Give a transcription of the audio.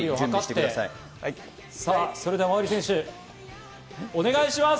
それでは馬瓜選手、お願いします。